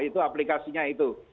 itu aplikasinya itu